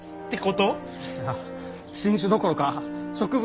あ新種どころか植物